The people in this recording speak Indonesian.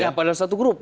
ya padahal satu grup